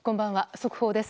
速報です。